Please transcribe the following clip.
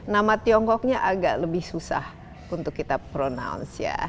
nama tiongkoknya agak lebih susah untuk kita prononasi